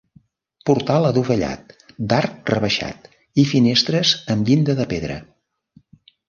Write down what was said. Portal adovellat d'arc rebaixat i finestres amb llinda de pedra.